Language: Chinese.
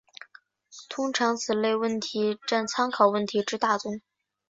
通常此类问题占参考问题之大宗。